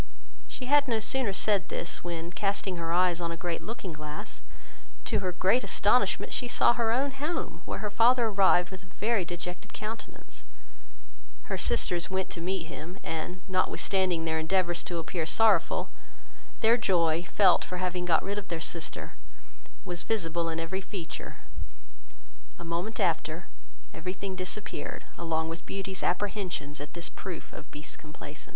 She had no sooner said this, when casting her eyes on a great looking glass, to her great amazement she saw her own home, where her father arrived with a very dejected countenance; her sisters went to meet him, and, notwithstanding their endeavours to appear sorrowful, their joy, felt for having got rid of their sister, was visible in every feature: a moment after, every thing disappeared, and Beauty's apprehensions at this proof of Beast's complaisance.